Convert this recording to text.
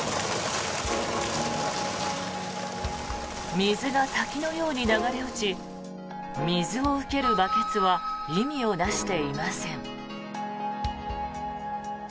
水が滝のように流れ落ち水を受けるバケツは意味を成していません。